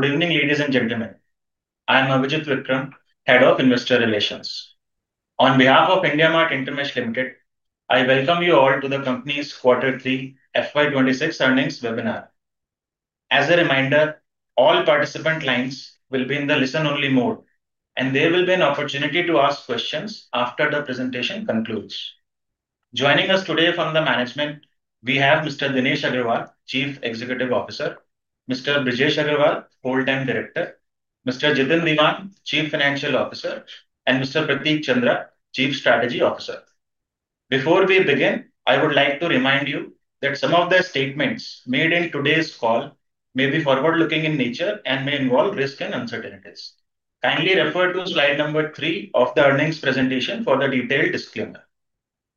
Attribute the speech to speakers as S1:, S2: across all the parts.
S1: Good evening, ladies and gentlemen. I am Avijit Vikram, Head of Investor Relations. On behalf of IndiaMART InterMESH Limited, I welcome you all to the company's Q3 FY26 earnings webinar. As a reminder, all participant lines will be in the listen-only mode, and there will be an opportunity to ask questions after the presentation concludes. Joining us today from the management, we have Mr. Dinesh Agarwal, Chief Executive Officer, Mr. Brijesh Agrawal, Full-Time Director, Mr. Jitin Diwan, Chief Financial Officer, and Mr. Prateek Chandra, Chief Strategy Officer. Before we begin, I would like to remind you that some of the statements made in today's call may be forward-looking in nature and may involve risk and uncertainties. Kindly refer to slide number 3 of the earnings presentation for the detailed disclaimer.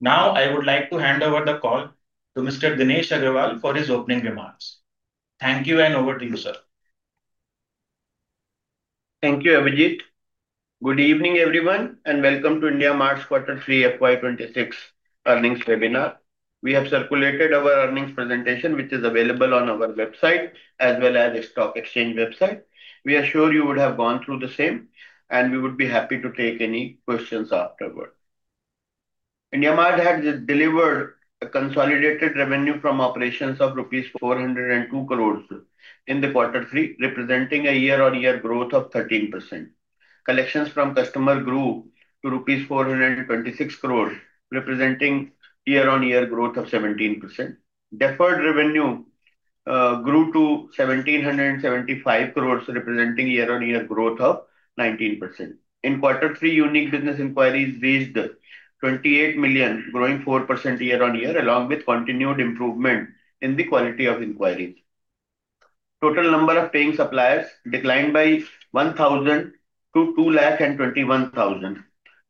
S1: Now, I would like to hand over the call to Mr. Dinesh Agarwal for his opening remarks. Thank you, and over to you, sir.
S2: Thank you, Avijit. Good evening, everyone, and welcome to IndiaMART Q3 FY26 earnings webinar. We have circulated our earnings presentation, which is available on our website as well as the stock exchange website. We are sure you would have gone through the same, and we would be happy to take any questions afterward. IndiaMART has delivered a consolidated revenue from operations of rupees 402 crores in Q3, representing a year-on-year growth of 13%. Collections from customers grew to rupees 426 crores, representing year-on-year growth of 17%. Deferred revenue grew to 1,775 crores, representing year-on-year growth of 19%. In Q3, unique business inquiries reached 28 million, growing 4% year-on-year, along with continued improvement in the quality of inquiries. Total number of paying suppliers declined by 1,000 to 2,221,000.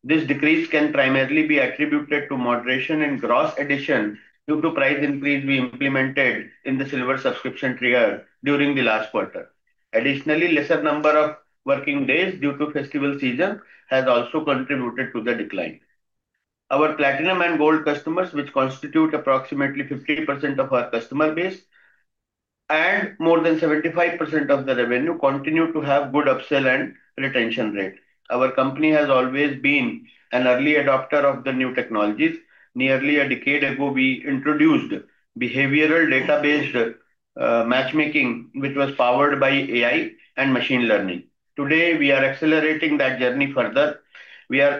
S2: This decrease can primarily be attributed to moderation in gross addition due to price increase we implemented in the Silver subscription tier during the last quarter. Additionally, a lesser number of working days due to festival season has also contributed to the decline. Our Platinum and Gold customers, which constitute approximately 50% of our customer base and more than 75% of the revenue, continue to have good upsell and retention rates. Our company has always been an early adopter of the new technologies. Nearly a decade ago, we introduced behavioral data-based matchmaking, which was powered by AI and Machine Learning. Today, we are accelerating that journey further. We are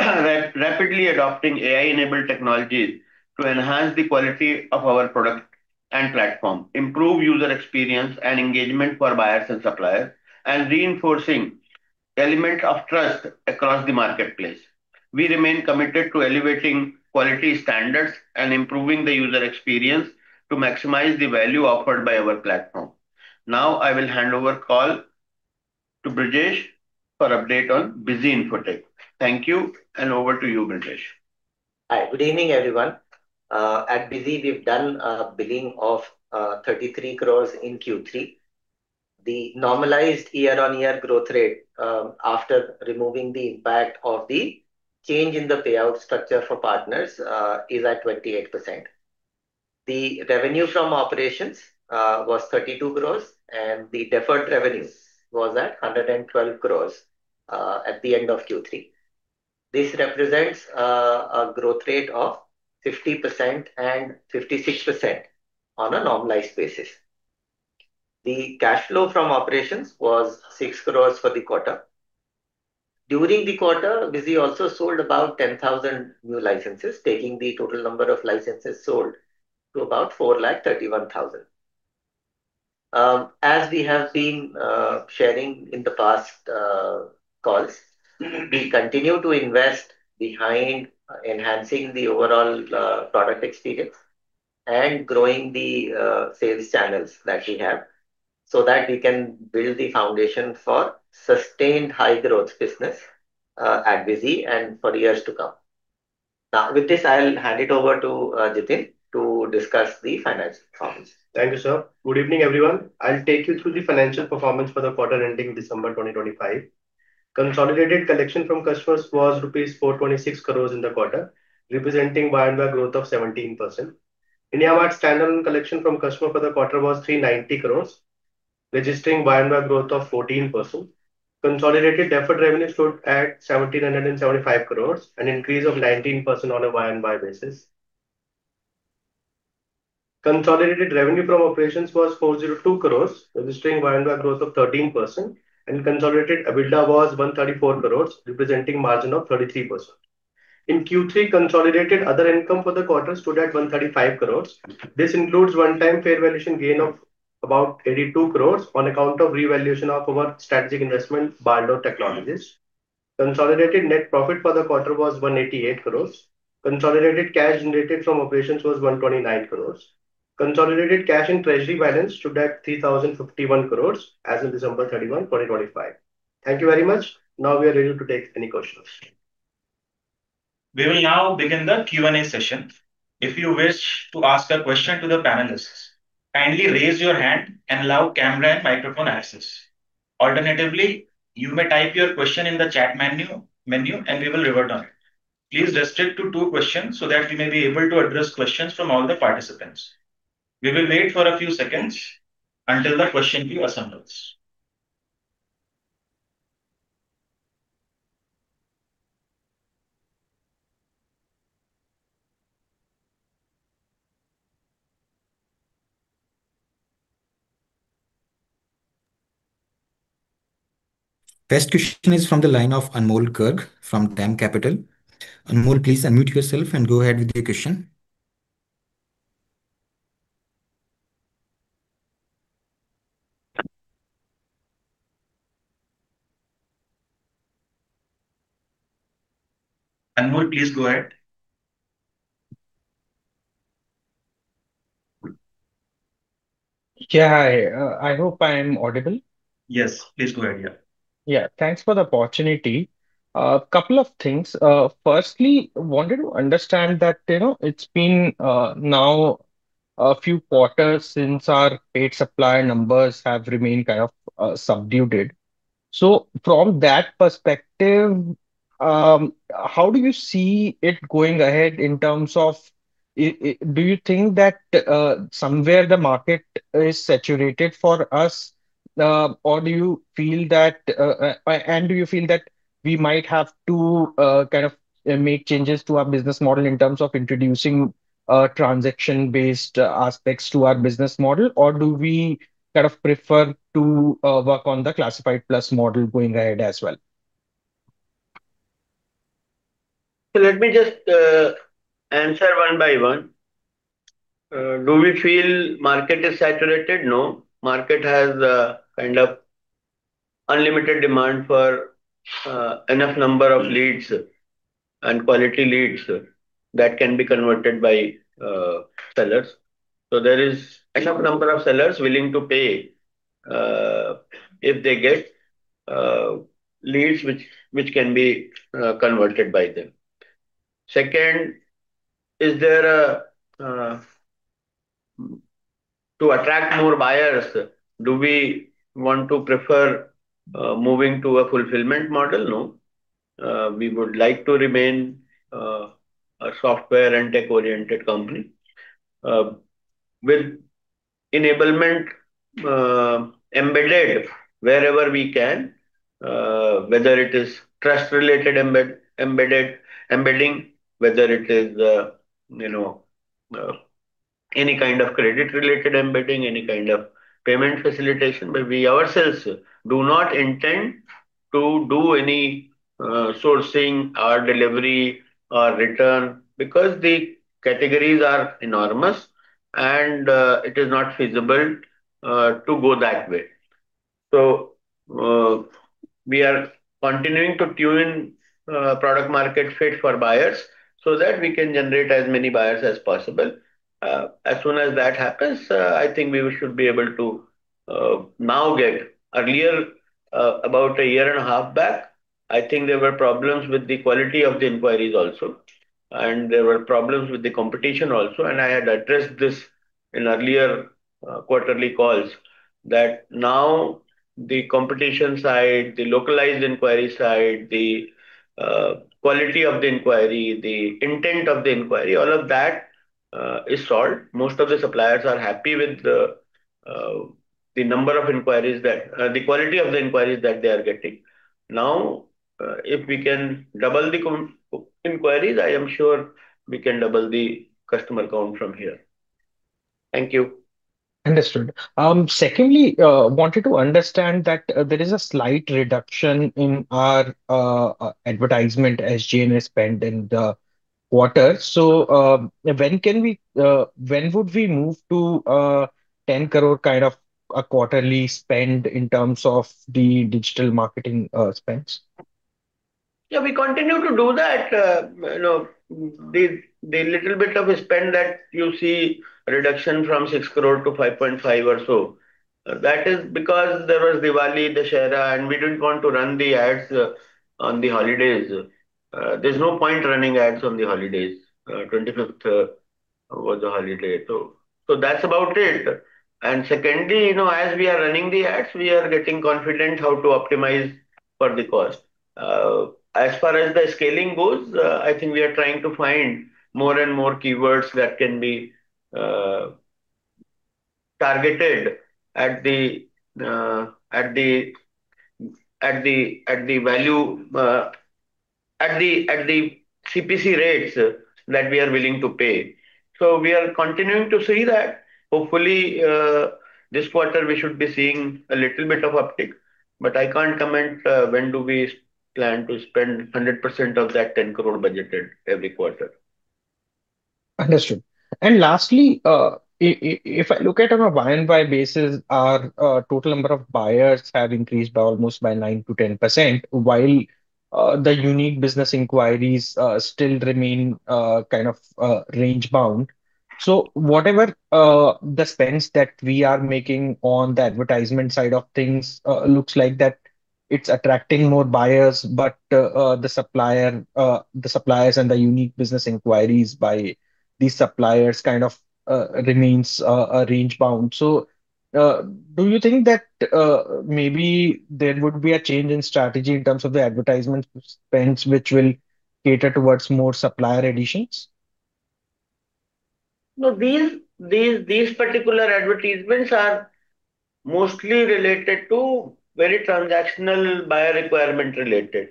S2: rapidly adopting AI-enabled technologies to enhance the quality of our product and platform, improve user experience and engagement for buyers and suppliers, and reinforcing elements of trust across the marketplace. We remain committed to elevating quality standards and improving the user experience to maximize the value offered by our platform. Now, I will hand over the call to Brijesh for an update on Busy Infotech. Thank you, and over to you, Brijesh.
S3: Hi, good evening, everyone. At Busy, we've done a billing of 33 crores in Q3. The normalized year-on-year growth rate, after removing the impact of the change in the payout structure for partners, is at 28%. The revenue from operations was 32 crores, and the deferred revenues were at 112 crores at the end of Q3. This represents a growth rate of 50% and 56% on a normalized basis. The cash flow from operations was 6 crores for the quarter. During the quarter, Busy also sold about 10,000 new licenses, taking the total number of licenses sold to about 431,000. As we have been sharing in the past calls, we continue to invest behind enhancing the overall product experience and growing the sales channels that we have so that we can build the foundation for sustained high-growth business at Busy and for years to come. Now, with this, I'll hand it over to Jitin to discuss the financial performance.
S4: Thank you, sir. Good evening, everyone. I'll take you through the financial performance for the quarter ending December 2025. Consolidated collection from customers was rupees 426 crores in the quarter, representing YoY growth of 17%. IndiaMART standalone collection from customers for the quarter was 390 crores, registering YoY growth of 14%. Consolidated deferred revenue stood at 1,775 crores, an increase of 19% on a YoY basis. Consolidated revenue from operations was 402 crores, registering YoY growth of 13%, and consolidated EBITDA was 134 crores, representing a margin of 33%. In Q3, consolidated other income for the quarter stood at 135 crores. This includes one-time fair valuation gain of about 82 crores on account of revaluation of our strategic investment, Baldor Technologies. Consolidated net profit for the quarter was 188 crores. Consolidated cash generated from operations was 129 crores. Consolidated cash in treasury balance stood at ₹3,051 crores as of December 31, 2025. Thank you very much. Now, we are ready to take any questions.
S1: We will now begin the Q&A session. If you wish to ask a question to the panelists, kindly raise your hand and allow camera and microphone access. Alternatively, you may type your question in the chat menu, and we will revert on it. Please restrict to two questions so that we may be able to address questions from all the participants. We will wait for a few seconds until the question queue assembles.
S5: The first question is from the line of Anmol Garg from DAM Capital. Anmol, please unmute yourself and go ahead with your question.
S1: Anmol, please go ahead.
S6: Yeah, I hope I'm audible.
S1: Yes, please go ahead.
S6: Yeah, thanks for the opportunity. A couple of things. Firstly, I wanted to understand that it's been now a few quarters since our paid supplier numbers have remained kind of stagnant. So from that perspective, how do you see it going ahead in terms of, do you think that somewhere the market is saturated for us, or do you feel that, and do you feel that we might have to kind of make changes to our business model in terms of introducing transaction-based aspects to our business model, or do we kind of prefer to work on the classified plus model going ahead as well?
S2: So let me just answer one by one. Do we feel the market is saturated? No. The market has kind of unlimited demand for an enough number of leads and quality leads that can be converted by sellers. So there is enough number of sellers willing to pay if they get leads which can be converted by them. Second, is there a, to attract more buyers, do we want to prefer moving to a fulfillment model? No. We would like to remain a software and tech-oriented company with enablement embedded wherever we can, whether it is trust-related embedding, whether it is any kind of credit-related embedding, any kind of payment facilitation. But we ourselves do not intend to do any sourcing or delivery or return because the categories are enormous, and it is not feasible to go that way. So we are continuing to tune in product-market fit for buyers so that we can generate as many buyers as possible. As soon as that happens, I think we should be able to now get earlier, about a year and a half back, I think there were problems with the quality of the inquiries also, and there were problems with the competition also. And I had addressed this in earlier quarterly calls that now the competition side, the localized inquiry side, the quality of the inquiry, the intent of the inquiry, all of that is solved. Most of the suppliers are happy with the number of inquiries that, the quality of the inquiries that they are getting. Now, if we can double the inquiries, I am sure we can double the customer count from here. Thank you.
S6: Understood. Secondly, I wanted to understand that there is a slight reduction in our advertisement SG&A spend in the quarter. So when can we, when would we move to ₹10 crore kind of a quarterly spend in terms of the digital marketing spends?
S2: Yeah, we continue to do that. The little bit of spend that you see a reduction from ₹6 crore to ₹5.5 or so, that is because there was Diwali, Dussehra, and we didn't want to run the ads on the holidays. There's no point running ads on the holidays. The 25th was a holiday. So that's about it. And secondly, as we are running the ads, we are getting confident how to optimize for the cost. As far as the scaling goes, I think we are trying to find more and more keywords that can be targeted at the value, at the CPC rates that we are willing to pay. So we are continuing to see that. Hopefully, this quarter, we should be seeing a little bit of uptick, but I can't comment when do we plan to spend 100% of that ₹10 crore budget every quarter.
S6: Understood, and lastly, if I look at on a YoY basis, our total number of buyers have increased almost by 9%-10%, while the unique business inquiries still remain kind of range-bound, so whatever the spends that we are making on the advertisement side of things looks like that it's attracting more buyers, but the suppliers and the unique business inquiries by these suppliers kind of remains range-bound, so do you think that maybe there would be a change in strategy in terms of the advertisement spends, which will cater towards more supplier additions?
S2: No, these particular advertisements are mostly related to very transactional buyer requirement related.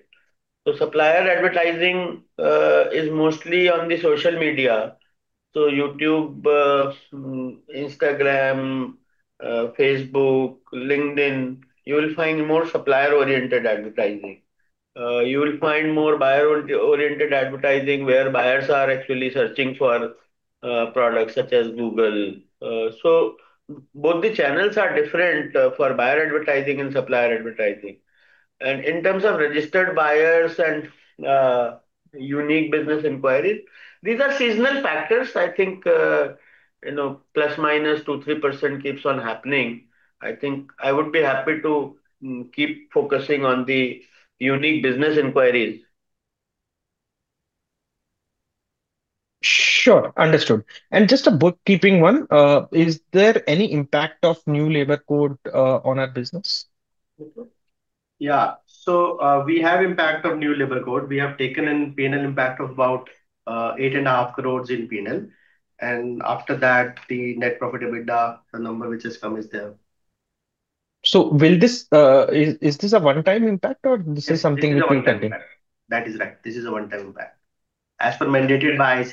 S2: So supplier advertising is mostly on the social media. So YouTube, Instagram, Facebook, LinkedIn, you will find more supplier-oriented advertising. You will find more buyer-oriented advertising where buyers are actually searching for products such as Google. So both the channels are different for buyer advertising and supplier advertising, and in terms of registered buyers and unique business inquiries, these are seasonal factors. I think plus/minus 2%, 3% keeps on happening. I think I would be happy to keep focusing on the unique business inquiries.
S6: Sure. Understood, and just a bookkeeping one, is there any impact of new labor code on our business?
S4: Yeah. So we have impact of new labor code. We have taken in P&L impact of about 8.5 crores in P&L. And after that, the net profit EBITDA, the number which has come is there.
S6: So is this a one-time impact, or this is something we can tackle?
S4: That is right. This is a one-time impact. As per mandated by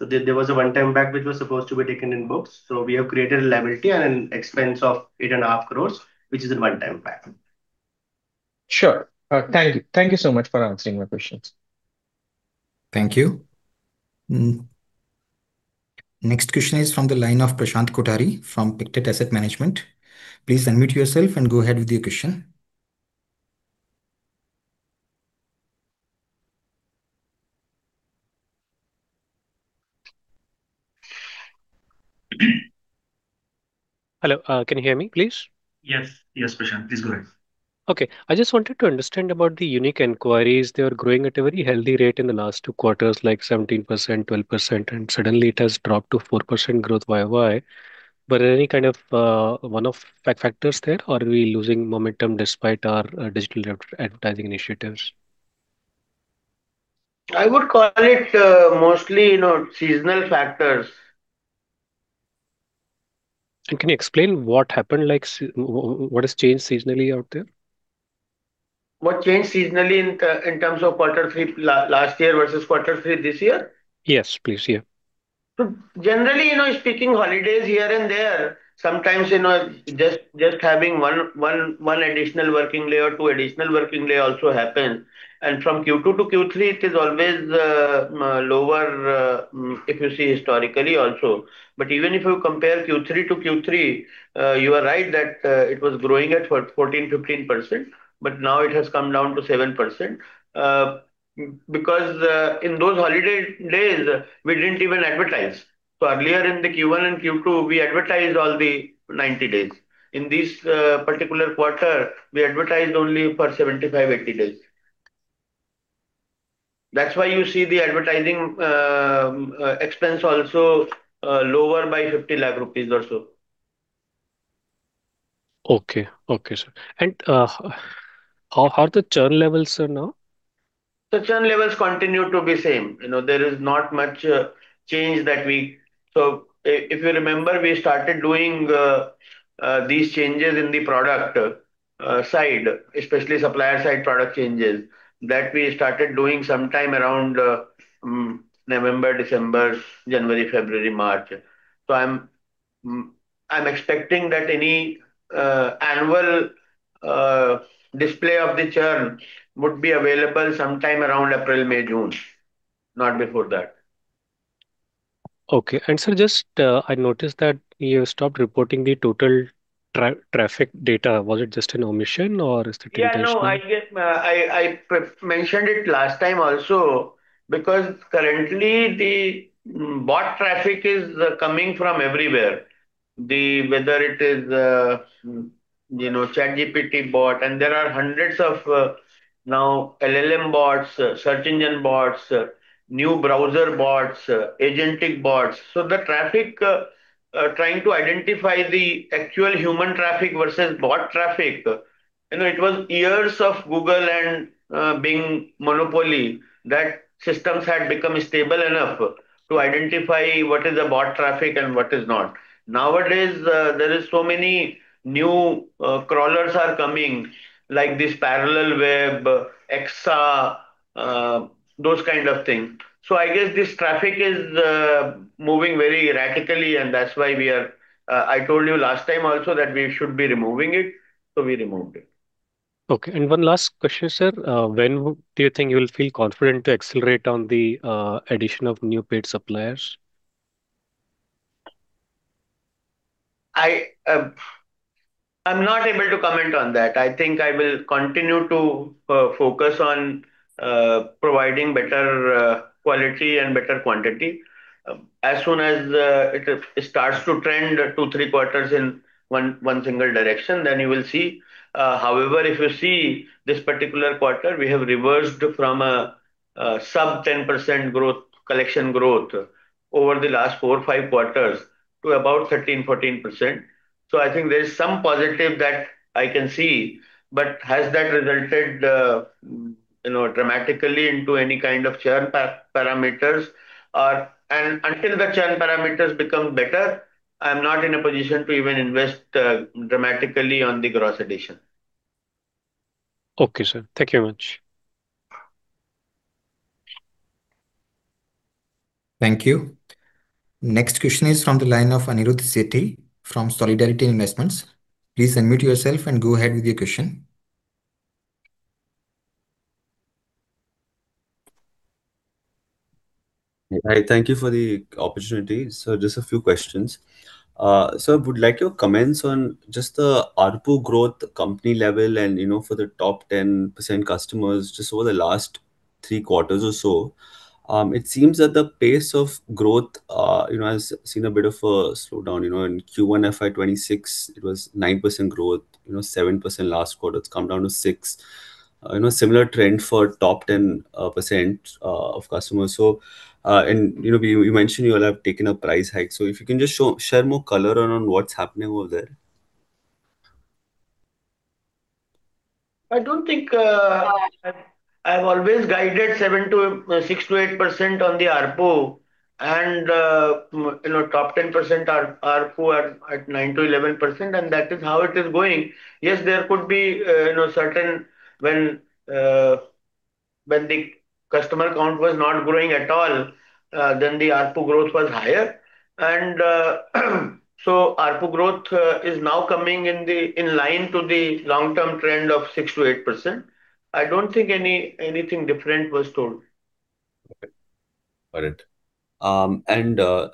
S4: ICAI, there was a one-time impact which was supposed to be taken in books. So we have created a liability at an expense of ₹8.5 crores, which is a one-time impact.
S6: Sure. Thank you. Thank you so much for answering my questions.
S5: Thank you. Next question is from the line of Prashant Kothari from Pictet Asset Management. Please unmute yourself and go ahead with your question. Hello. Can you hear me, please?
S1: Yes. Yes, Prashant. Please go ahead.
S7: Okay. I just wanted to understand about the unique inquiries. They are growing at a very healthy rate in the last two quarters, like 17%, 12%, and suddenly it has dropped to 4% growth YoY. But is there any kind of one of factors there, or are we losing momentum despite our digital advertising initiatives?
S2: I would call it mostly seasonal factors.
S7: Can you explain what happened, like what has changed seasonally out there?
S2: What changed seasonally in terms of quarter three last year versus quarter three this year?
S7: Yes, please. Yeah.
S2: Generally speaking, holidays here and there, sometimes just having one additional working day or two additional working days also happens. And from Q2 to Q3, it is always lower if you see historically also. But even if you compare Q3 to Q3, you are right that it was growing at 14%, 15%, but now it has come down to 7% because in those holiday days, we didn't even advertise. Earlier in the Q1 and Q2, we advertised all the 90 days. In this particular quarter, we advertised only for 75-80 days. That's why you see the advertising expense also lower by ₹5,000,000 or so.
S7: Okay. Okay, sir. And how are the churn levels now?
S2: The churn levels continue to be the same. There is not much change that we, so if you remember, we started doing these changes in the product side, especially supplier side product changes that we started doing sometime around November, December, January, February, March. I'm expecting that any annual display of the churn would be available sometime around April, May, June, not before that.
S7: Okay. And sir, just I noticed that you stopped reporting the total traffic data. Was it just an omission, or is there?
S2: Yeah, no, I mentioned it last time also because currently, the bot traffic is coming from everywhere, whether it is ChatGPT bot, and there are hundreds of now LLM bots, search engine bots, new browser bots, agentic bots. So the traffic trying to identify the actual human traffic versus bot traffic, it was years of Google and being monopoly that systems had become stable enough to identify what is the bot traffic and what is not. Nowadays, there are so many new crawlers coming like this Perplexity, Exa, those kind of things. So I guess this traffic is moving very rapidly, and that's why we are. I told you last time also that we should be removing it. So we removed it.
S7: Okay. And one last question, sir. When do you think you will feel confident to accelerate on the addition of new paid suppliers?
S2: I'm not able to comment on that. I think I will continue to focus on providing better quality and better quantity. As soon as it starts to trend two, three quarters in one single direction, then you will see. However, if you see this particular quarter, we have reversed from a sub 10% collection growth over the last four, five quarters to about 13%, 14%. So I think there is some positive that I can see, but has that resulted dramatically into any kind of churn parameters? And until the churn parameters become better, I'm not in a position to even invest dramatically on the gross addition.
S7: Okay, sir. Thank you very much. Thank you. Next question is from the line of Anirudh Shetty from Solidarity Investments. Please unmute yourself and go ahead with your question.
S8: Hi. Thank you for the opportunity. So just a few questions. Sir, I would like your comments on just the ARPU growth company level and for the top 10% customers just over the last three quarters or so. It seems that the pace of growth has seen a bit of a slowdown. In Q1, FY26, it was 9% growth, 7% last quarter. It's come down to 6%. Similar trend for top 10% of customers. And you mentioned you all have taken a price hike. So if you can just share more color on what's happening over there.
S2: I don't think I've always guided 6%-8% on the ARPU, and top 10% ARPU are at 9%-11%, and that is how it is going. Yes, there could be certain when the customer count was not growing at all, then the ARPU growth was higher. And so ARPU growth is now coming in line to the long-term trend of 6%-8%. I don't think anything different was told.
S8: Got it. And our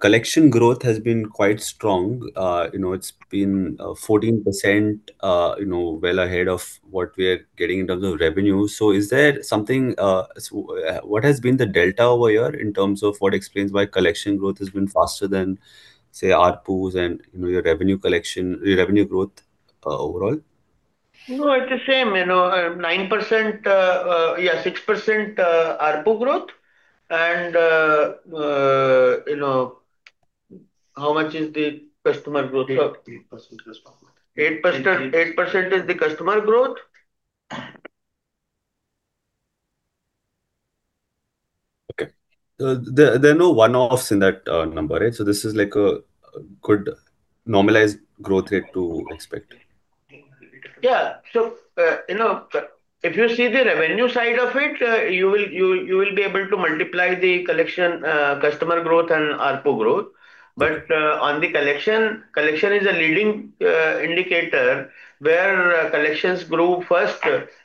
S8: collection growth has been quite strong. It's been 14% well ahead of what we are getting in terms of revenue. So is there something, what has been the delta over here in terms of what explains why collection growth has been faster than, say, ARPU's and your revenue growth overall?
S2: No, it's the same. 9%, yeah, 6% ARPU growth. And how much is the customer growth? 8% is the customer growth.
S8: Okay. So there are no one-offs in that number, right? So this is like a good normalized growth rate to expect.
S2: Yeah. So if you see the revenue side of it, you will be able to multiply the collection customer growth and ARPU growth. But on the collection, collection is a leading indicator where collections grew first,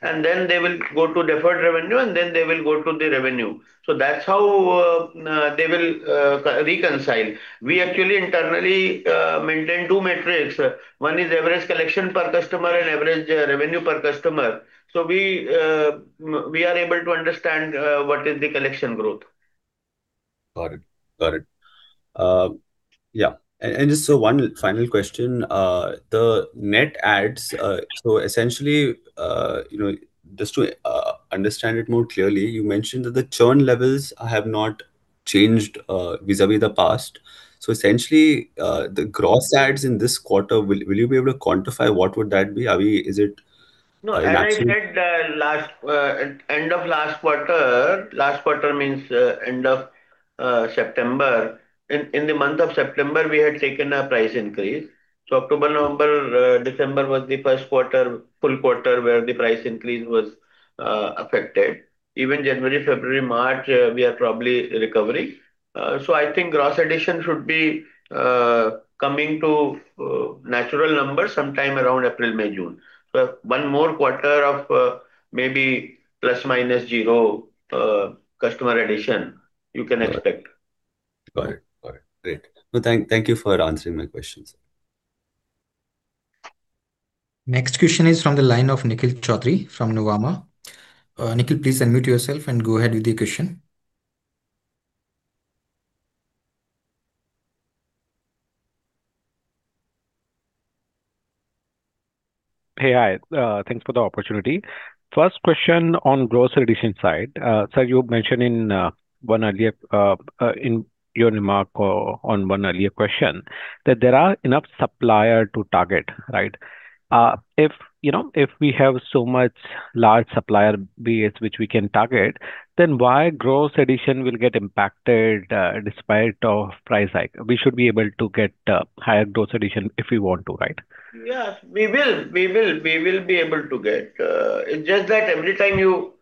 S2: and then they will go to deferred revenue, and then they will go to the revenue. So that's how they will reconcile. We actually internally maintain two metrics. One is average collection per customer and average revenue per customer. So we are able to understand what is the collection growth.
S8: Got it. Yeah. And just one final question. The net adds, so essentially, just to understand it more clearly, you mentioned that the churn levels have not changed vis-à-vis the past. So essentially, the gross adds in this quarter, will you be able to quantify what would that be? Is it?
S2: No, I said end of last quarter. Last quarter means end of September. In the month of September, we had taken a price increase. So October, November, December was the first quarter, full quarter where the price increase was affected. Even January, February, March, we are probably recovering. So I think gross addition should be coming to natural numbers sometime around April, May, June. So one more quarter of maybe plus/minus 0 customer addition you can expect.
S8: Got it. Got it. Great. Thank you for answering my questions.
S7: Next question is from the line of Nikhil Choudhary from Nuvama. Nikhil, please unmute yourself and go ahead with your question.
S9: Hey, hi. Thanks for the opportunity. First question on gross addition side. Sir, you mentioned in your earlier remark on an earlier question that there are enough suppliers to target, right? If we have so much large supplier base which we can target, then why gross addition will get impacted despite of price hike? We should be able to get higher gross addition if we want to, right?
S2: Yes, we will. We will. We will be able to get. It's just that every time you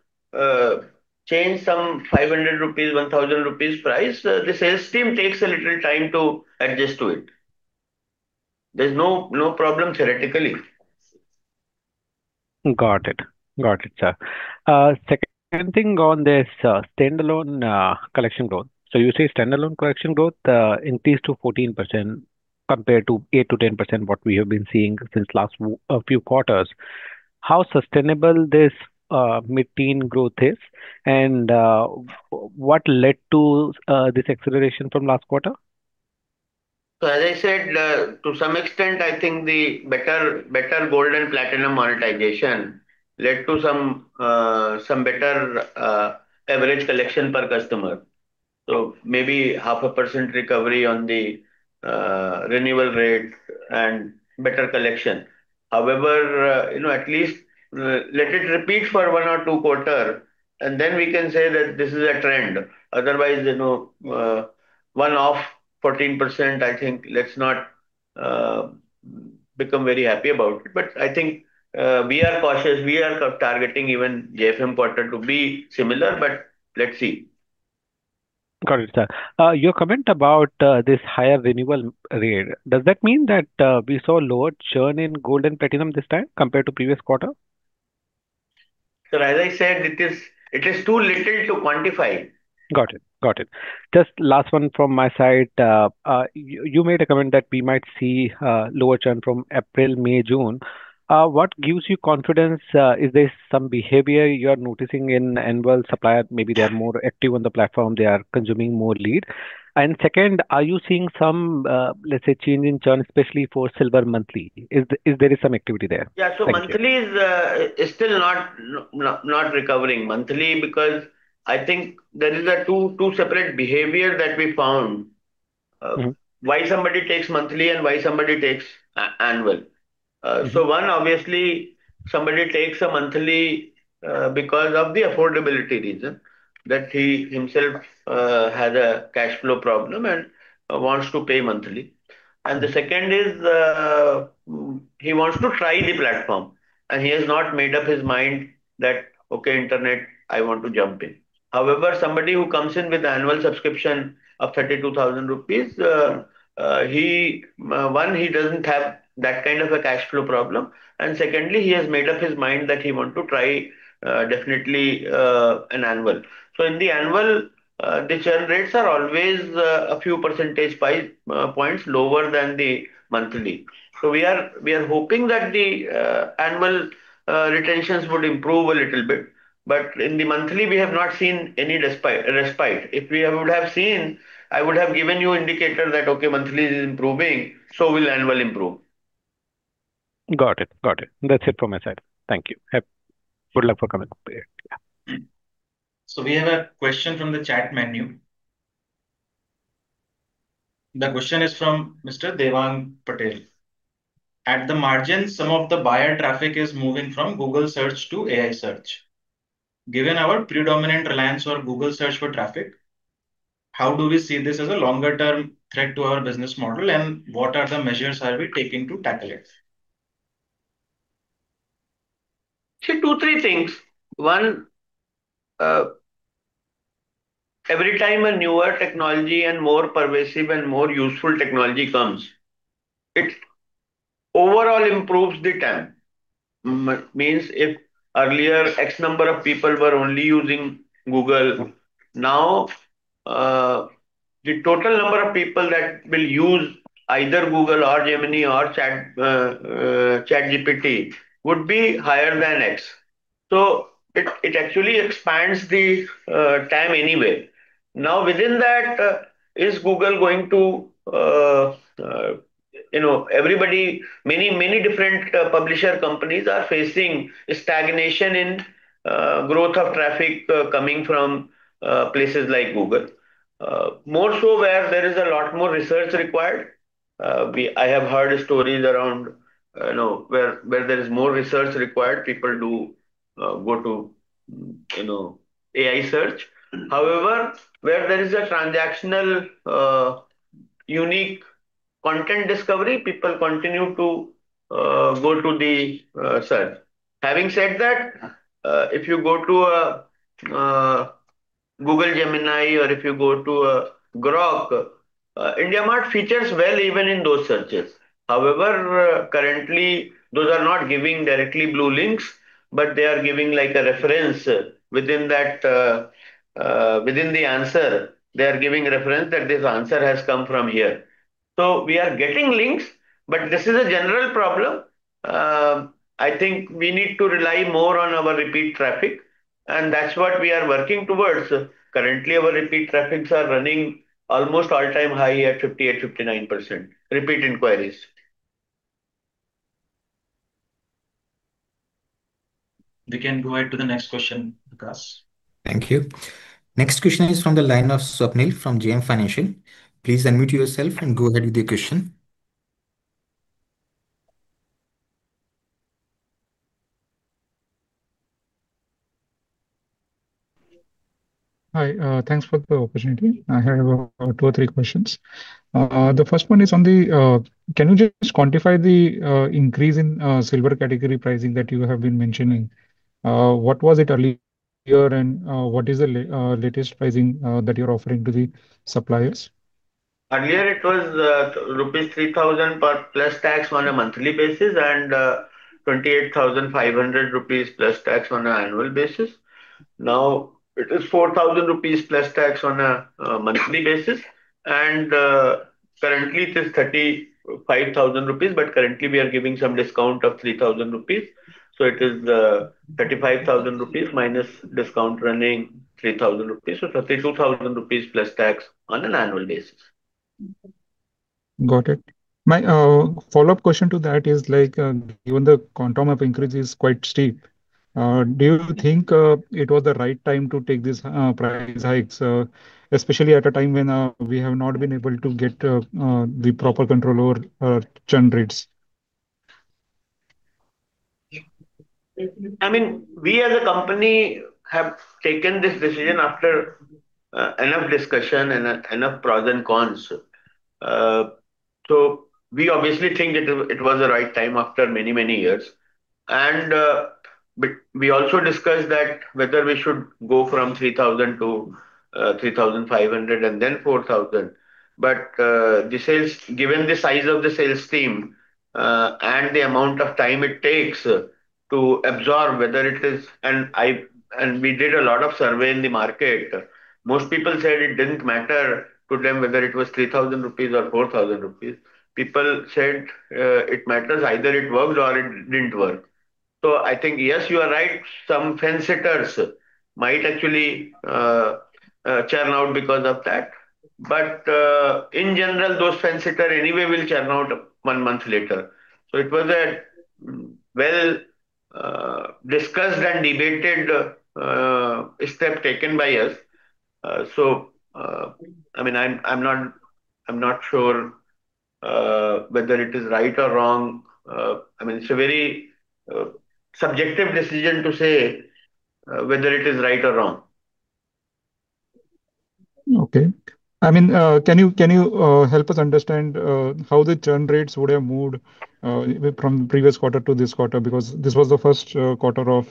S2: change some ₹500, ₹1,000 price, the sales team takes a little time to adjust to it. There's no problem theoretically.
S9: Got it. Got it, sir. Second thing on this standalone collection growth. So you say standalone collection growth increased to 14% compared to 8%-10% what we have been seeing since last few quarters. How sustainable this mid-teen growth is, and what led to this acceleration from last quarter?
S3: So as I said, to some extent, I think the better Gold and Platinum monetization led to some better average collection per customer. So maybe 0.5% recovery on the renewal rate and better collection. However, at least let it repeat for one or two quarters, and then we can say that this is a trend. Otherwise, one-off 14%, I think let's not become very happy about it. But I think we are cautious. We are targeting even JFM quarter to be similar, but let's see.
S9: Got it, sir. Your comment about this higher renewal rate, does that mean that we saw lower churn in Gold and Platinum this time compared to previous quarter?
S2: Sir, as I said, it is too little to quantify.
S9: Got it. Got it. Just last one from my side. You made a comment that we might see lower churn from April, May, June. What gives you confidence? Is there some behavior you are noticing in annual suppliers? Maybe they are more active on the platform. They are consuming more leads. And second, are you seeing some, let's say, change in churn, especially for silver monthly? Is there some activity there?
S2: Yeah. So monthly is still not recovering. Monthly because I think there are two separate behaviors that we found. Why somebody takes monthly and why somebody takes annual? So one, obviously, somebody takes a monthly because of the affordability reason that he himself has a cash flow problem and wants to pay monthly. And the second is he wants to try the platform, and he has not made up his mind that, "Okay, IndiaMART, I want to jump in." However, somebody who comes in with annual subscription of 32,000 rupees, one, he doesn't have that kind of a cash flow problem. And secondly, he has made up his mind that he wants to try definitely an annual. So in the annual, the churn rates are always a few percentage points lower than the monthly. So we are hoping that the annual retentions would improve a little bit. But in the monthly, we have not seen any respite. If we would have seen, I would have given you an indicator that, "Okay, monthly is improving, so will annual improve.
S9: Got it. Got it. That's it from my side. Thank you. Good luck for coming.
S1: We have a question from the chat menu. The question is from Mr. Devang Patel. At the margin, some of the buyer traffic is moving from Google Search to AI Search. Given our predominant reliance on Google Search for traffic, how do we see this as a longer-term threat to our business model, and what are the measures we are taking to tackle it?
S2: Two, three things. One, every time a newer technology and more pervasive and more useful technology comes, it overall improves the time. Means if earlier X number of people were only using Google, now the total number of people that will use either Google or Gemini or ChatGPT would be higher than X. So it actually expands the time anyway. Now, within that, is Google going to everybody? Many, many different publisher companies are facing stagnation in growth of traffic coming from places like Google. More so where there is a lot more research required. I have heard stories around where there is more research required, people do go to AI search. However, where there is a transactional unique content discovery, people continue to go to the search. Having said that, if you go to Google Gemini or if you go to Grok, IndiaMART features well even in those searches. However, currently, those are not giving directly blue links, but they are giving a reference within the answer. They are giving reference that this answer has come from here. So we are getting links, but this is a general problem. I think we need to rely more on our repeat traffic, and that's what we are working towards. Currently, our repeat traffics are running almost all-time high at 58%, 59% repeat inquiries.
S1: We can go ahead to the next question, Nikhil.
S5: Thank you. Next question is from the line of Swapnil from JM Financial. Please unmute yourself and go ahead with your question.
S10: Hi. Thanks for the opportunity. I have two or three questions. The first one is on the, can you just quantify the increase in silver category pricing that you have been mentioning? What was it earlier, and what is the latest pricing that you're offering to the suppliers?
S2: Earlier, it was rupees 3,000 plus tax on a monthly basis and 28,500 rupees plus tax on an annual basis. Now, it is 4,000 rupees plus tax on a monthly basis, and currently, it is 35,000 rupees, but currently, we are giving some discount of 3,000 rupees, so it is 35,000 rupees minus discount running INR 3,000, so 32,000 rupees plus tax on an annual basis.
S10: Got it. My follow-up question to that is, given the quantum of increase is quite steep, do you think it was the right time to take these price hikes, especially at a time when we have not been able to get the proper control over churn rates?
S2: I mean, we as a company have taken this decision after enough discussion and enough pros and cons. So we obviously think it was the right time after many, many years. And we also discussed that whether we should go from 3,000 to 3,500 and then 4,000. But given the size of the sales team and the amount of time it takes to absorb, whether it is, and we did a lot of survey in the market. Most people said it didn't matter to them whether it was 3,000 rupees or 4,000 rupees. People said it matters either it worked or it didn't work. So I think, yes, you are right. Some fence hitters might actually churn out because of that. But in general, those fence hitters anyway will churn out one month later. So it was a well-discussed and debated step taken by us. So I mean, I'm not sure whether it is right or wrong. I mean, it's a very subjective decision to say whether it is right or wrong.
S10: Okay. I mean, can you help us understand how the churn rates would have moved from the previous quarter to this quarter? Because this was the first quarter of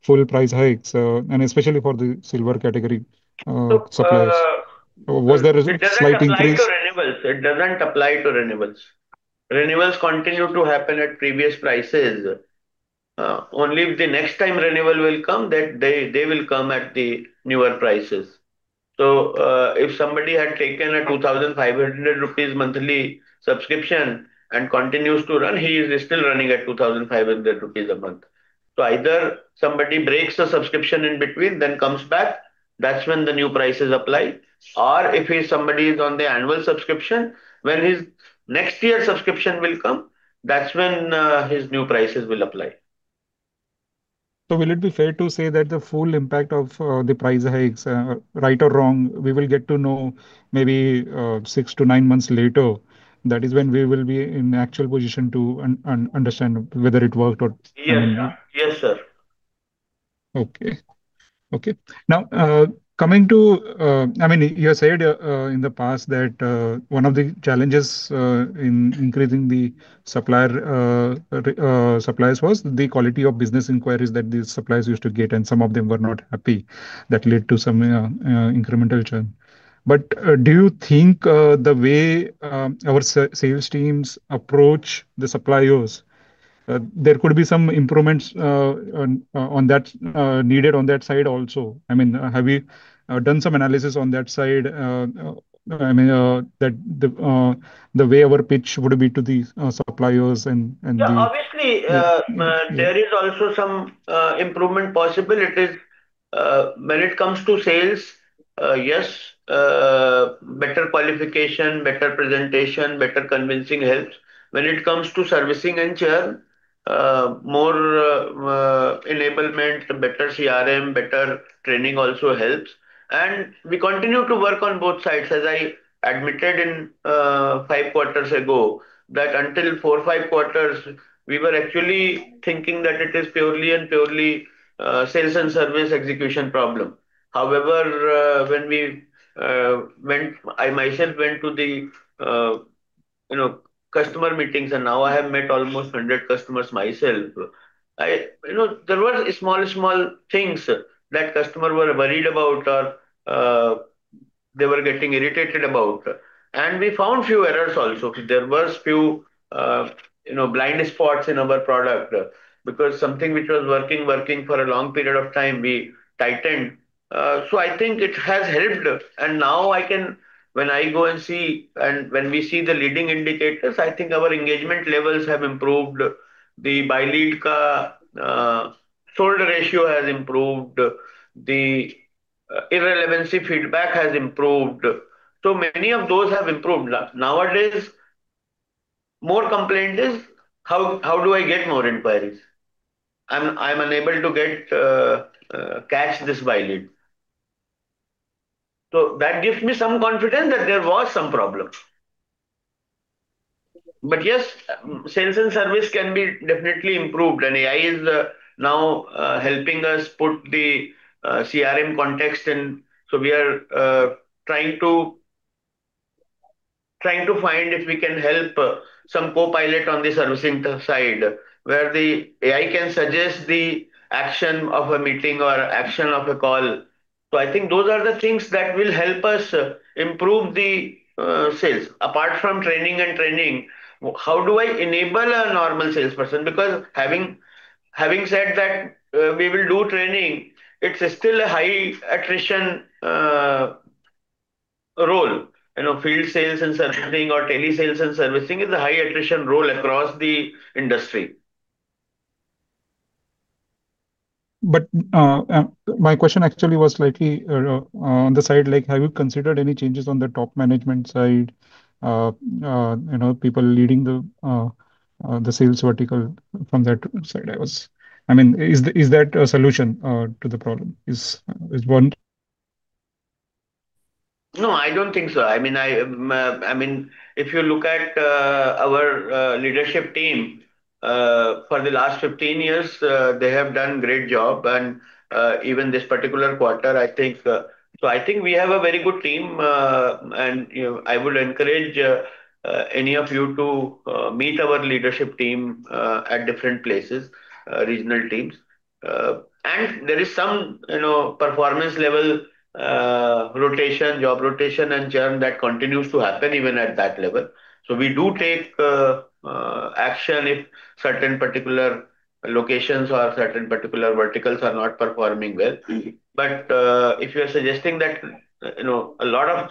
S10: full price hikes, and especially for the Silver category suppliers. Was there a slight increase?
S2: It doesn't apply to renewals. Renewals continue to happen at previous prices. Only the next time renewal will come, they will come at the newer prices. So if somebody had taken a 2,500 rupees monthly subscription and continues to run, he is still running at 2,500 rupees a month. So either somebody breaks the subscription in between, then comes back, that's when the new prices apply. Or if somebody is on the annual subscription, when his next year's subscription will come, that's when his new prices will apply.
S10: Will it be fair to say that the full impact of the price hikes, right or wrong, we will get to know maybe six to nine months later? That is when we will be in the actual position to understand whether it worked or not.
S2: Yes. Yes, sir.
S10: Okay. Okay. Now, coming to, I mean, you said in the past that one of the challenges in increasing the suppliers was the quality of business inquiries that the suppliers used to get, and some of them were not happy. That led to some incremental churn. But do you think the way our sales teams approach the suppliers, there could be some improvements needed on that side also? I mean, have you done some analysis on that side, I mean, that the way our pitch would be to the suppliers and the?
S2: Yeah. Obviously, there is also some improvement possible. When it comes to sales, yes, better qualification, better presentation, better convincing helps. When it comes to servicing and churn, more enablement, better CRM, better training also helps. And we continue to work on both sides. As I admitted five quarters ago, that until four, five quarters, we were actually thinking that it is purely and purely sales and service execution problem. However, when I myself went to the customer meetings, and now I have met almost 100 customers myself, there were small, small things that customers were worried about or they were getting irritated about. And we found a few errors also. There were a few blind spots in our product because something which was working, working for a long period of time, we tightened. So I think it has helped. Now, when I go and see, and when we see the leading indicators, I think our engagement levels have improved. The Buy Lead sold ratio has improved. The irrelevancy feedback has improved. Many of those have improved. Nowadays, more complaint is, how do I get more inquiries? I'm unable to catch this Buy Lead. That gives me some confidence that there was some problem. Yes, sales and service can be definitely improved. AI is now helping us put the CRM context. We are trying to find if we can help some Copilot on the servicing side where the AI can suggest the action of a meeting or action of a call. I think those are the things that will help us improve the sales. Apart from training and training, how do I enable a normal salesperson? Because having said that we will do training, it's still a high attrition role. Field sales and servicing or tele sales and servicing is a high attrition role across the industry.
S10: But my question actually was slightly on the side. Have you considered any changes on the top management side, people leading the sales vertical from that side? I mean, is that a solution to the problem?
S2: No, I don't think so. I mean, if you look at our leadership team for the last 15 years, they have done a great job. And even this particular quarter, I think. So I think we have a very good team. And I would encourage any of you to meet our leadership team at different places, regional teams. And there is some performance-level rotation, job rotation, and churn that continues to happen even at that level. So we do take action if certain particular locations or certain particular verticals are not performing well. But if you're suggesting that a lot of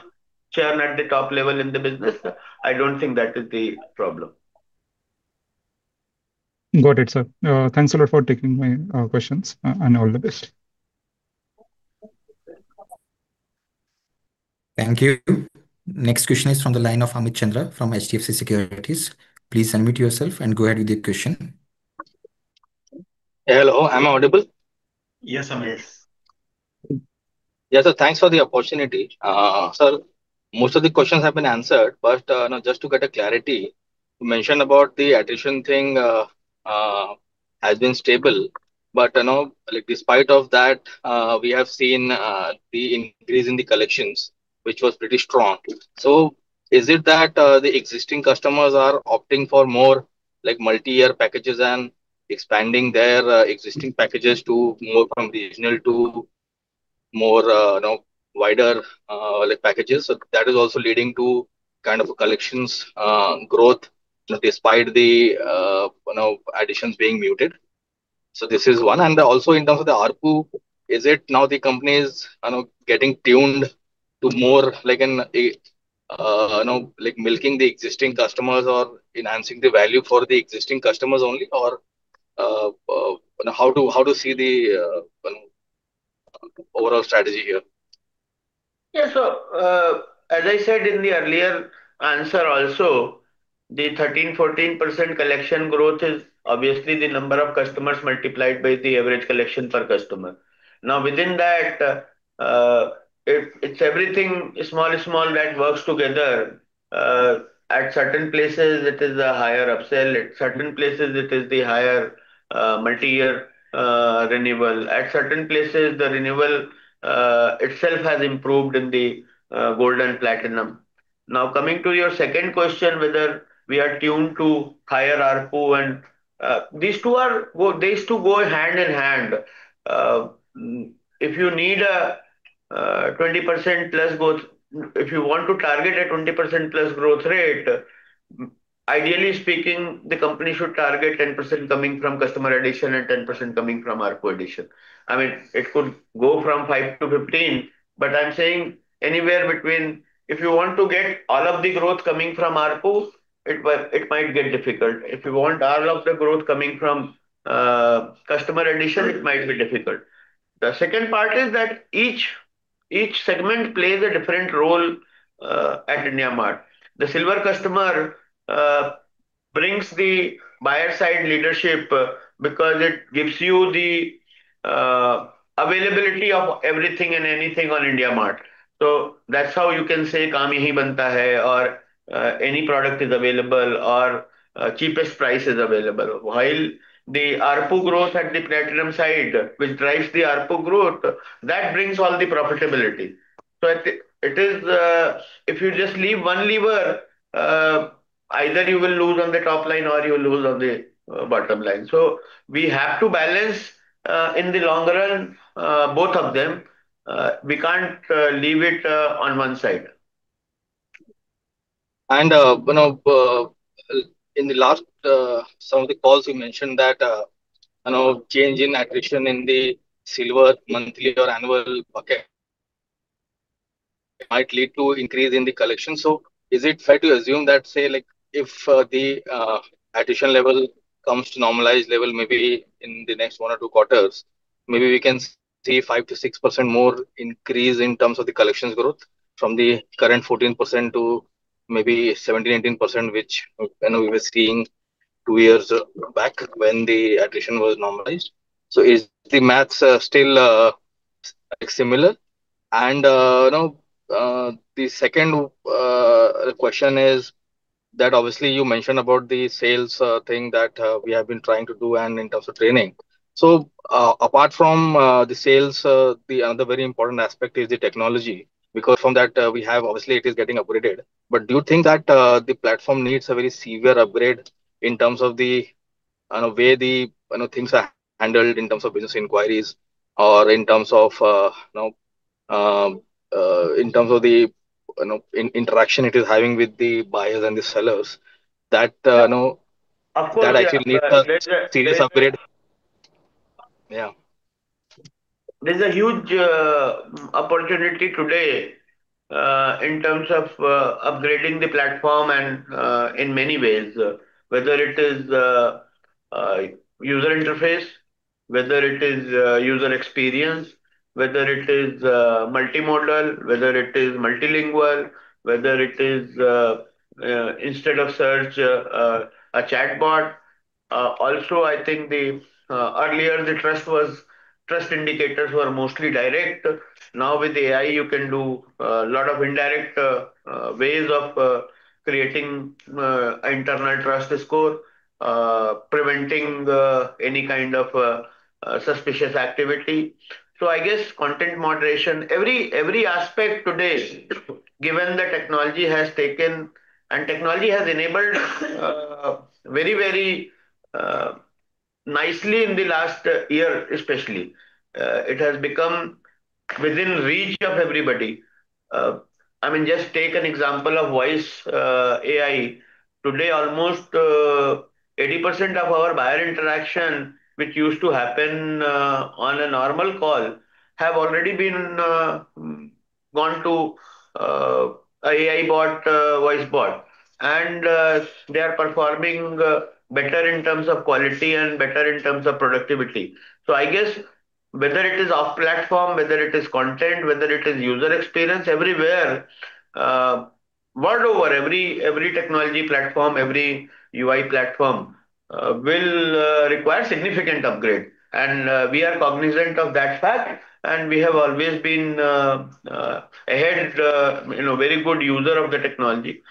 S2: churn at the top level in the business, I don't think that is the problem.
S10: Got it, sir. Thanks a lot for taking my questions. And all the best.
S5: Thank you. Next question is from the line of Amit Chandra from HDFC Securities. Please unmute yourself and go ahead with your question.
S11: Hello. I'm audible?
S1: Yes, Amit.
S11: Yes. Yeah, so thanks for the opportunity. Sir, most of the questions have been answered, but just to get a clarity, you mentioned about the attrition thing has been stable, but despite that, we have seen the increase in the collections, which was pretty strong, so is it that the existing customers are opting for more multi-year packages and expanding their existing packages to more from regional to more wider packages, so that is also leading to kind of collections growth despite the additions being muted, so this is one, and also in terms of the ARPU, is it now the company is getting tuned to more milking the existing customers or enhancing the value for the existing customers only, or how to see the overall strategy here?
S2: Yes, sir. As I said in the earlier answer also, the 13%, 14% collection growth is obviously the number of customers multiplied by the average collection per customer. Now, within that, it's everything small, small that works together. At certain places, it is the higher upsell. At certain places, it is the higher multi-year renewal. At certain places, the renewal itself has improved in the Gold and Platinum. Now, coming to your second question, whether we are tuned to higher ARPU, and these two go hand in hand. If you need a 20% plus growth, if you want to target a 20% plus growth rate, ideally speaking, the company should target 10% coming from customer addition and 10% coming from ARPU addition. I mean, it could go from 5% to 15%. I'm saying anywhere between, if you want to get all of the growth coming from ARPU, it might get difficult. If you want all of the growth coming from customer addition, it might be difficult. The second part is that each segment plays a different role at IndiaMART. The silver customer brings the buyer-side leadership because it gives you the availability of everything and anything on IndiaMART. So that's how you can say, "Kaam Yahin Banta Hai," or, "Any product is available," or, "Cheapest price is available." While the ARPU growth at the platinum side, which drives the ARPU growth, that brings all the profitability. So if you just leave one lever, either you will lose on the top line or you will lose on the bottom line. So we have to balance in the long run both of them. We can't leave it on one side.
S11: And in the last some of the calls you mentioned that change in attrition in the silver monthly or annual bucket might lead to an increase in the collection. So is it fair to assume that, say, if the attrition level comes to normalize level maybe in the next one or two quarters, maybe we can see 5%-6% more increase in terms of the collections growth from the current 14% to maybe 17%-18%, which we were seeing two years back when the attrition was normalized? So is the math still similar? And the second question is that obviously you mentioned about the sales thing that we have been trying to do and in terms of training. So apart from the sales, the other very important aspect is the technology. Because from that, we have obviously it is getting upgraded. But do you think that the platform needs a very severe upgrade in terms of the way the things are handled in terms of business inquiries or in terms of the interaction it is having with the buyers and the sellers that actually needs a serious upgrade? Yeah.
S2: There's a huge opportunity today in terms of upgrading the platform in many ways, whether it is user interface, whether it is user experience, whether it is multimodal, whether it is multilingual, whether it is instead of search, a chatbot. Also, I think earlier the trust indicators were mostly direct. Now with AI, you can do a lot of indirect ways of creating internal trust score, preventing any kind of suspicious activity. So I guess content moderation, every aspect today, given the technology has taken and technology has enabled very, very nicely in the last year, especially, it has become within reach of everybody. I mean, just take an example of voice AI. Today, almost 80% of our buyer interaction, which used to happen on a normal call, have already gone to an AI bot voice bot. And they are performing better in terms of quality and better in terms of productivity. So I guess whether it is off platform, whether it is content, whether it is user experience, everywhere, world over, every technology platform, every UI platform will require a significant upgrade. And we are cognizant of that fact. And we have always been a very good user of the technology.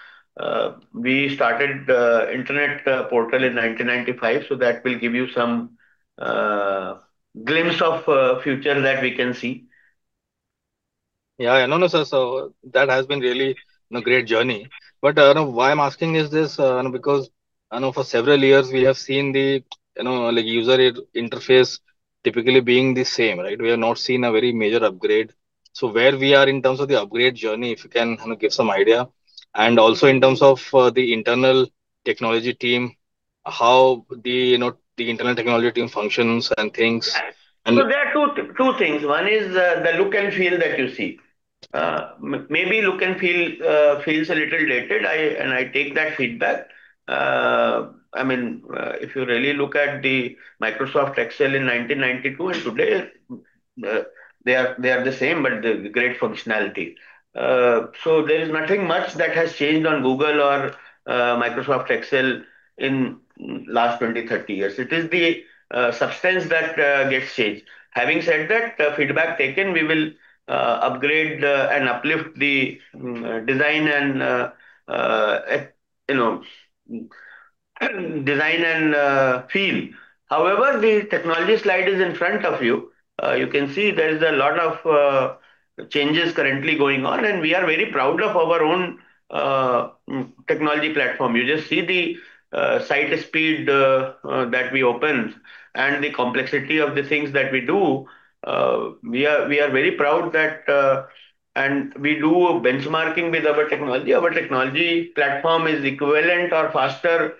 S2: We started the internet portal in 1995. So that will give you some glimpse of the future that we can see.
S11: Yeah. I know, sir. So that has been really a great journey. But why I'm asking is this because for several years, we have seen the user interface typically being the same, right? We have not seen a very major upgrade. So where we are in terms of the upgrade journey, if you can give some idea. And also in terms of the internal technology team, how the internal technology team functions and things.
S2: So there are two things. One is the look and feel that you see. Maybe look and feel feels a little dated. And I take that feedback. I mean, if you really look at the Microsoft Excel in 1992 and today, they are the same, but the great functionality. So there is nothing much that has changed on Google or Microsoft Excel in the last 20, 30 years. It is the substance that gets changed. Having said that, feedback taken, we will upgrade and uplift the design and feel. However, the technology slide is in front of you. You can see there is a lot of changes currently going on. And we are very proud of our own technology platform. You just see the site speed that we open and the complexity of the things that we do. We are very proud that and we do benchmarking with our technology. Our technology platform is equivalent or faster,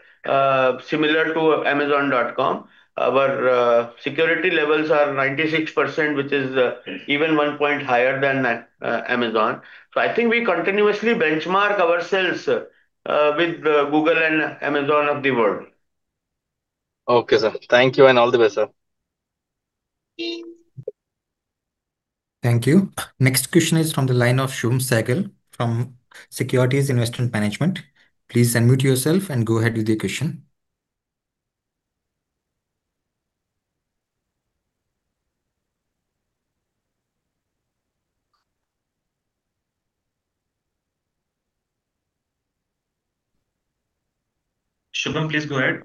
S2: similar to Amazon.com. Our security levels are 96%, which is even one point higher than Amazon. So I think we continuously benchmark ourselves with Google and Amazon of the world.
S11: Okay, sir. Thank you. And all the best, sir.
S5: Thank you. Next question is from the line of Shubham Sehgal from Securities Investment Management. Please unmute yourself and go ahead with the question.
S1: Shubham, please go ahead.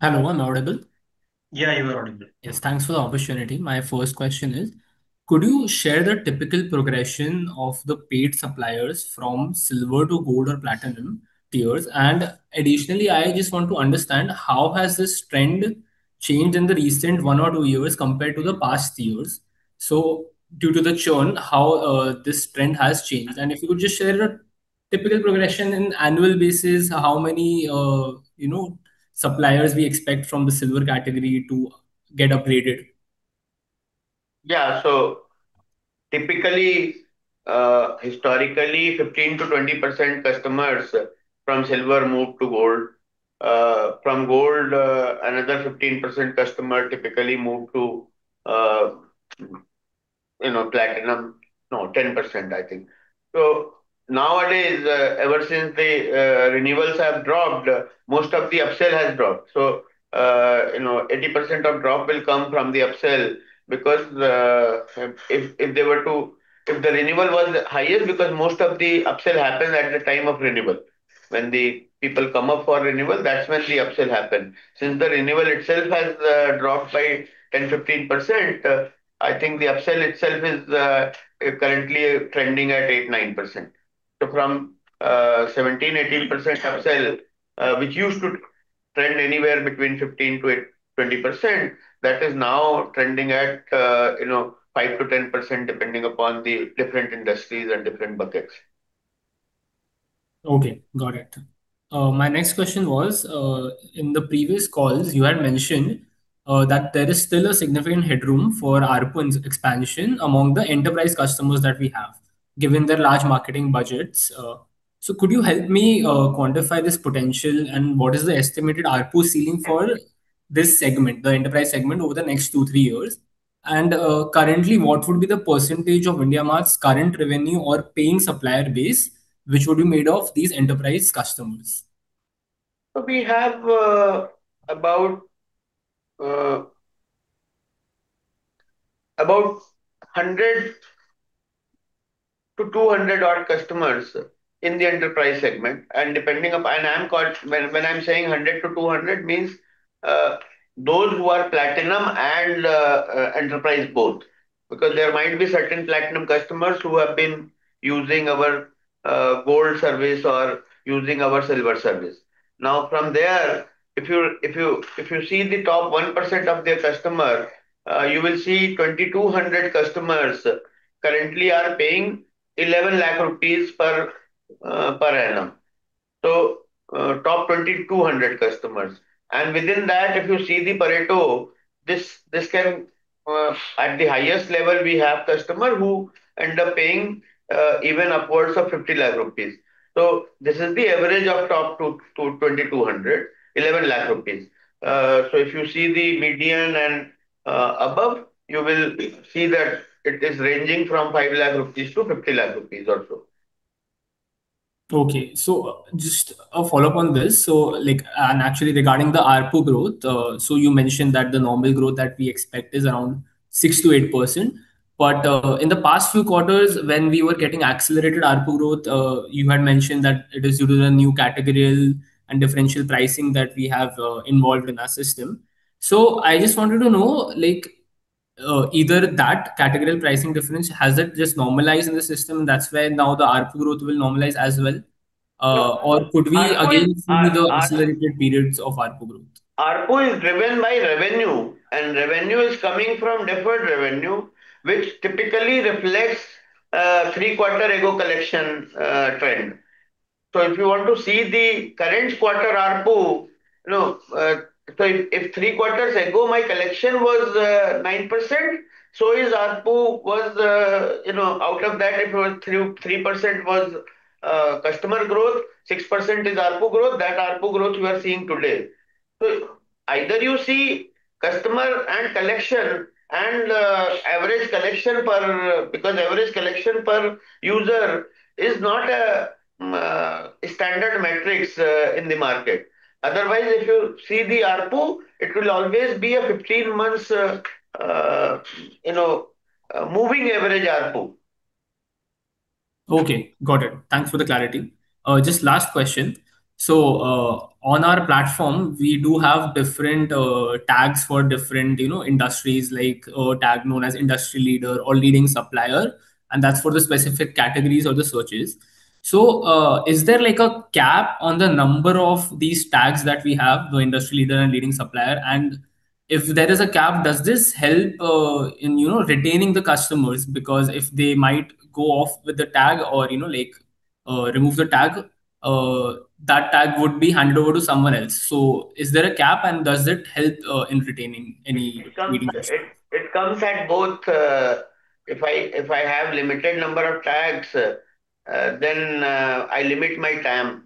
S12: Hello. I'm audible?
S1: Yeah, you are audible.
S12: Yes. Thanks for the opportunity. My first question is, could you share the typical progression of the paid suppliers from silver to gold or platinum tiers? And additionally, I just want to understand how has this trend changed in the recent one or two years compared to the past years? So due to the churn, how this trend has changed. And if you could just share a typical progression in annual basis, how many suppliers we expect from the silver category to get upgraded?
S2: Yeah. So typically, historically, 15%-20% customers from silver moved to gold. From gold, another 15% customer typically moved to platinum. No, 10%, I think. So nowadays, ever since the renewals have dropped, most of the upsell has dropped. So 80% of drop will come from the upsell because if the renewal was higher, because most of the upsell happens at the time of renewal. When the people come up for renewal, that's when the upsell happens. Since the renewal itself has dropped by 10%-15%, I think the upsell itself is currently trending at 8%-9%. So from 17%-18% upsell, which used to trend anywhere between 15%-20%, that is now trending at 5%-10% depending upon the different industries and different buckets.
S12: Okay. Got it. My next question was, in the previous calls, you had mentioned that there is still a significant headroom for ARPU expansion among the enterprise customers that we have, given their large marketing budgets. So could you help me quantify this potential and what is the estimated ARPU ceiling for this segment, the enterprise segment, over the next two, three years? And currently, what would be the percentage of IndiaMART's current revenue or paying supplier base, which would be made of these enterprise customers?
S2: We have about 100-200 odd customers in the enterprise segment. Depending on when I'm saying 100-200 means those who are platinum and enterprise both. Because there might be certain platinum customers who have been using our gold service or using our silver service. Now, from there, if you see the top 1% of their customer, you will see 2,200 customers currently are paying 11 lakh rupees per annum. Top 2,200 customers. Within that, if you see the Pareto, this can at the highest level, we have customers who end up paying even upwards of 50 lakh rupees. This is the average of top 2,200, 11 lakhs rupees. If you see the median and above, you will see that it is ranging from 5 lakh rupees to 50 lakh rupees also.
S12: Okay. So just a follow-up on this. And actually, regarding the ARPU growth, so you mentioned that the normal growth that we expect is around 6%-8%. But in the past few quarters, when we were getting accelerated ARPU growth, you had mentioned that it is due to the new categorical and differential pricing that we have involved in our system. So I just wanted to know, either that categorical pricing difference, has it just normalized in the system? That's why now the ARPU growth will normalize as well? Or could we again see the accelerated periods of ARPU growth?
S3: ARPU is driven by revenue. And revenue is coming from different revenue, which typically reflects three quarters ago collection trend. So if you want to see the current quarter ARPU, so if three quarters ago, my collection was 9%, so is ARPU out of that, if 3% was customer growth, 6% is ARPU growth, that ARPU growth we are seeing today. So either you see customer and collection, because average collection per user is not a standard metric in the market. Otherwise, if you see the ARPU, it will always be a 15-month moving average ARPU.
S12: Okay. Got it. Thanks for the clarity. Just last question. So on our platform, we do have different tags for different industries, like a tag known as Industry Leader or Leading Supplier. And that's for the specific categories of the searches. So is there a cap on the number of these tags that we have, the Industry Leader and Leading Supplier? And if there is a cap, does this help in retaining the customers? Because if they might go off with the tag or remove the tag, that tag would be handed over to someone else. So is there a cap? And does it help in retaining any leading customers?
S3: It comes at both. If I have a limited number of tags, then I limit my time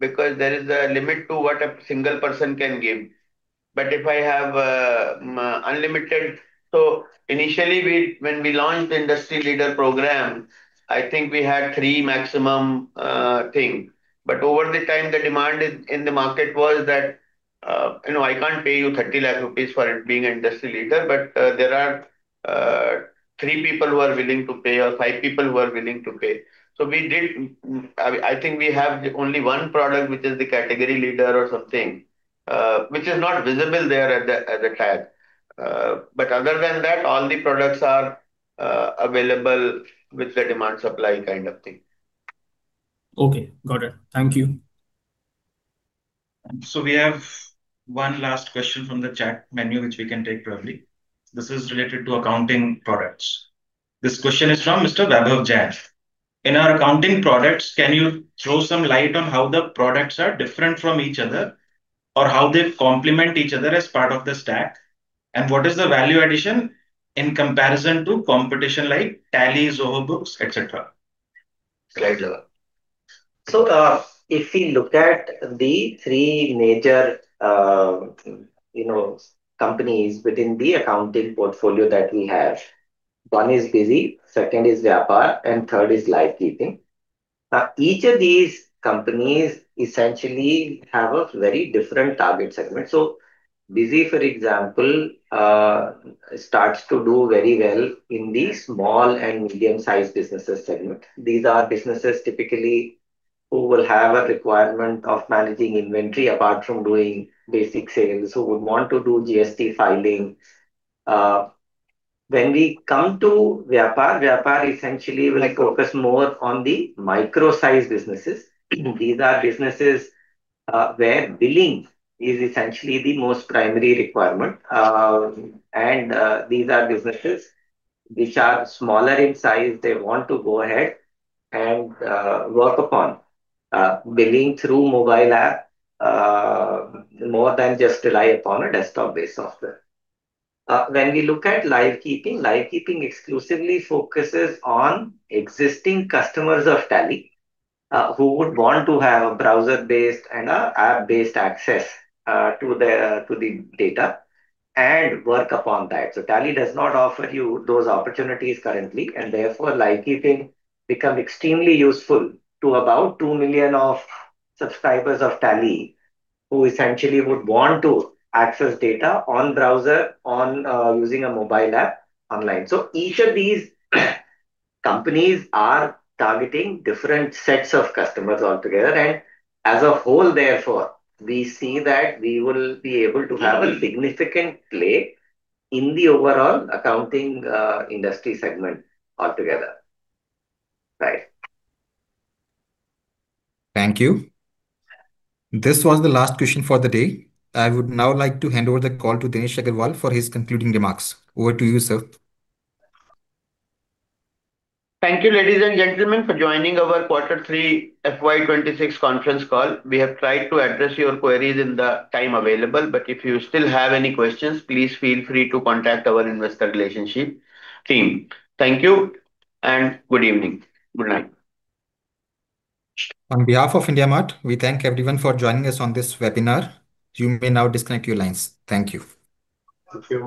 S3: because there is a limit to what a single person can give. But if I have unlimited, so initially, when we launched the Industry Leader program, I think we had three maximum things. But over the time, the demand in the market was that I can't pay you 3,000,000 rupees for being an Industry Leader, but there are three people who are willing to pay or five people who are willing to pay. So I think we have only one product, which is the Category Leader or something, which is not visible there at the tag. But other than that, all the products are available with the demand supply kind of thing.
S12: Okay. Got it. Thank you.
S1: We have one last question from the chat menu, which we can take probably. This is related to accounting products. This question is from Mr. Vaibhav Jain. In our accounting products, can you throw some light on how the products are different from each other or how they complement each other as part of the stack? And what is the value addition in comparison to competition like Tally's, QuickBooks, etc.?
S2: Right. So if we look at the three major companies within the accounting portfolio that we have, one is BUSY, second is Vyapar, and third is Livekeeping. Now, each of these companies essentially have a very different target segment. So BUSY, for example, starts to do very well in the small and medium-sized businesses segment. These are businesses typically who will have a requirement of managing inventory apart from doing basic sales, who would want to do GST filing. When we come to Vyapar, Vyapar essentially will focus more on the micro-sized businesses. These are businesses where billing is essentially the most primary requirement. And these are businesses which are smaller in size. They want to go ahead and work upon billing through mobile app more than just rely upon a desktop-based software. When we look at Livekeeping, Livekeeping exclusively focuses on existing customers of Tally who would want to have a browser-based and an app-based access to the data and work upon that. So Tally does not offer you those opportunities currently. And therefore, Livekeeping becomes extremely useful to about two million subscribers of Tally who essentially would want to access data on browser using a mobile app online. So each of these companies are targeting different sets of customers altogether. And as a whole, therefore, we see that we will be able to have a significant play in the overall accounting industry segment altogether. Right.
S5: Thank you. This was the last question for the day. I would now like to hand over the call to Dinesh Agarwal for his concluding remarks. Over to you, sir.
S2: Thank you, ladies and gentlemen, for joining our Quarter 3 FY26 conference call. We have tried to address your queries in the time available. But if you still have any questions, please feel free to contact our Investor Relations team. Thank you. And good evening. Good night.
S5: On behalf of IndiaMART, we thank everyone for joining us on this webinar. You may now disconnect your lines. Thank you. Thank you.